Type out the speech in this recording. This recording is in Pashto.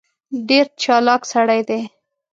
ډېر چالاک سړی دی.